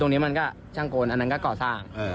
ตรงนี้มันก็ชั่งโกนอันนั้นก็ก่อสร้าง